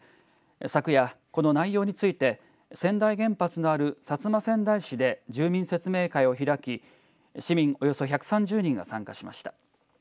昨夜、この内容について川内原発のある薩摩川内市で住民説明会を開き市民およそ１３０人が参加しました。